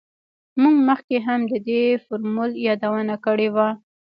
موږ مخکې هم د دې فورمول یادونه کړې وه